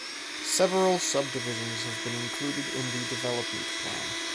Several subdivisions have been included in the development plan.